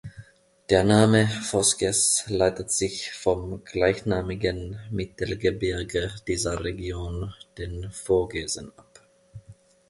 Der Name „Vosges“ leitet sich vom gleichnamigen Mittelgebirge dieser Region, den Vogesen ab.